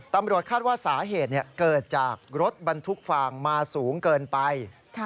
ตำรวจคาดว่าสาเหตุเกิดจากรถบรรทุกฟางมาสูงเกินไป